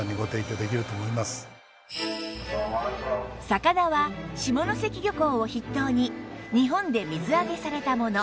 魚は下関漁港を筆頭に日本で水揚げされたもの